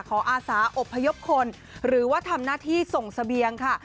อาสาอบพยพคนหรือว่าทำหน้าที่ส่งเสบียงค่ะ